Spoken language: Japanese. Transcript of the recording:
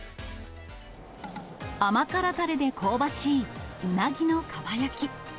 甘辛たれで香ばしい、うなぎのかば焼き。